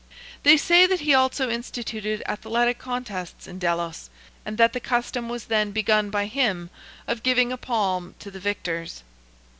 They say that he also instituted athletic contests in Delos, and that the custom was then begun by him of giving a palm to the victors.